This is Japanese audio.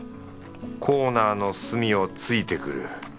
コーナーの隅を突いてくる。